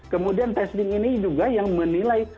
kemudian testing ini juga yang menilai